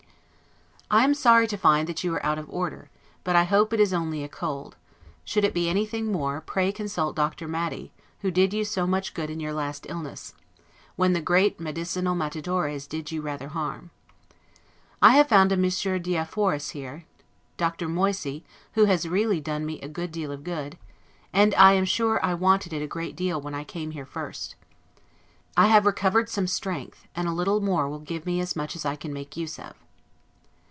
I am sorry to find that you are out of order, but I hope it is only a cold; should it be anything more, pray consult Dr. Maty, who did you so much good in your last illness, when the great medicinal Mattadores did you rather harm. I have found a Monsieur Diafoirus here, Dr. Moisy, who has really done me a great deal of good; and I am sure I wanted it a great deal when I came here first. I have recovered some strength, and a little more will give me as much as I can make use of.